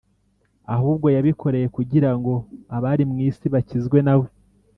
ahubwo yabikoreye kugira ngo abari mu isi bakizwe na we.